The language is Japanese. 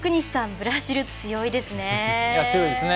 ブラジル、強いですね。